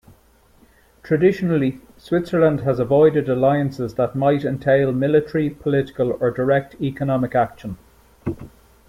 Traditionally, Switzerland has avoided alliances that might entail military, political, or direct economic action.